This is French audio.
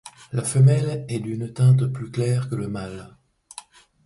La femelle est d'une teinte plus claire que le mâle.